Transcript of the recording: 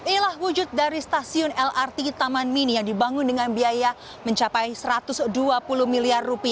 inilah wujud dari stasiun lrt taman mini yang dibangun dengan biaya mencapai rp satu ratus dua puluh miliar